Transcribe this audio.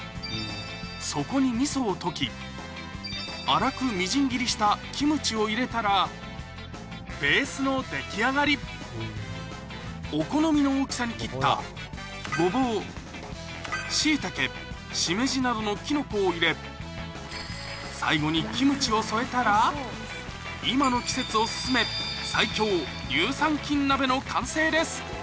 そこにみそを溶き粗くみじん切りしたキムチを入れたらベースの出来上がりお好みの大きさに切ったゴボウシイタケシメジなどのきのこを入れ最後にキムチを添えたら今の季節お薦めの完成です